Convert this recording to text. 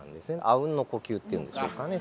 あうんの呼吸っていうんでしょうかね